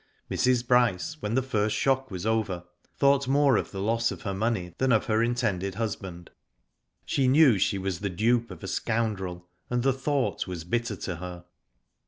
Mrs. Bryce, w,hen the first shock was over, thought more of the loss of her money than of her intended husband. She knew she was the dupe of a scoundrel, and the thought was bitter to her.